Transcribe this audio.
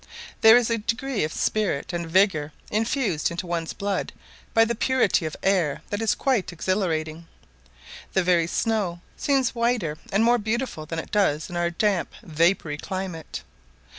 There is a degree of spirit and vigour infused into one's blood by the purity of the air that is quite exhilarating. The very snow seems whiter and more beautiful than it does in our damp, vapoury climate.